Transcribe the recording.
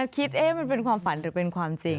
คิดเอ๊ะมันเป็นความฝันหรือเป็นความจริง